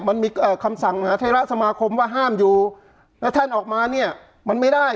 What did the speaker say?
มันมีคำสั่งมหาเทราสมาคมว่าห้ามอยู่แล้วท่านออกมาเนี่ยมันไม่ได้